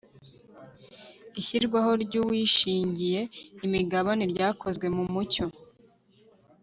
ishyirwaho ry'uwishingiye imigabane ryakozwe mu mucyo